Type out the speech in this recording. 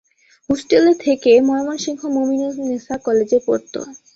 হোষ্টেলে থেকে ময়মনসিংহ মমিনুন্নেসা কলেজে পড়ত।